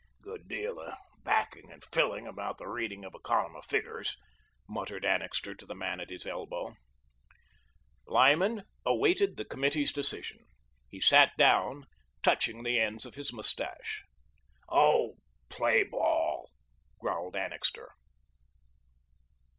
"Good deal of backing and filling about the reading of a column of figures," muttered Annixter to the man at his elbow. Lyman "awaited the Committee's decision." He sat down, touching the ends of his mustache. "Oh, play ball," growled Annixter.